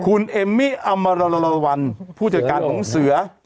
คุณเอมมี่อัมรลวัลผู้จัดการของเสือ